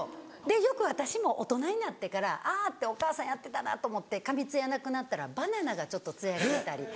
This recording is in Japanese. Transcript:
よく私も大人になってからあぁお母さんやってたなと思って髪ツヤなくなったらバナナがちょっとツヤが出たり。